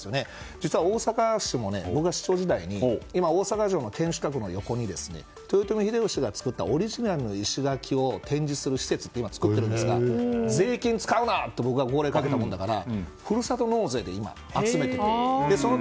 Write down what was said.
実は、大阪市も僕が市長時代に今、大阪城の天守閣の横に豊臣秀吉が作ったオリジナルの石垣を展示する施設を今、作っているんですが税金を使うなって僕が号令をかけたものだからふるさと納税で集めているので。